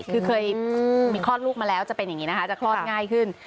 คือเคยมีคลอดลูกมาแล้วจะเป็นอย่างนี้นะคะจะคลอดง่ายขึ้น